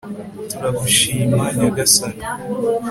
turagushima nyagasani